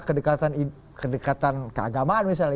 kedekatan keagamaan misalnya